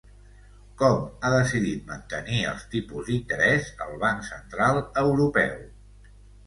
Com ha decidit mantenir els tipus d'interès el Banc Central Europeu?